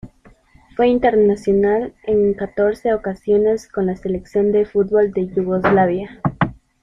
Fue internacional en catorce ocasiones con la selección de fútbol de Yugoslavia.